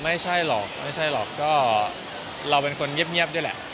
ไม่ใช่หรอกไม่ใช่หรอกก็เราเป็นคนเงียบด้วยแหละ